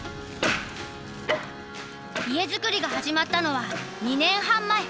家づくりが始まったのは２年半前。